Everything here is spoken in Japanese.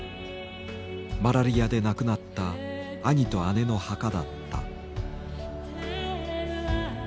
マラリアで亡くなった兄と姉の墓だった。